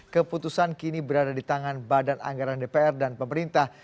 keputusan kini berada di tangan badan anggaran dpr dan pemerintah